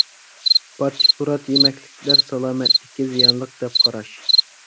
پارچە-پۇرات يېمەكلىكلەر سالامەتلىككە زىيانلىق دەپ قاراش.